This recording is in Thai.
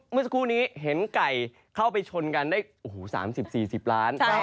เมื่อสักครู่นี้เห็นไก่เข้าไปชนกันได้๓๐๔๐ล้าน